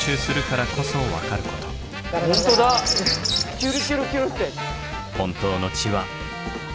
キュルキュルキュルって。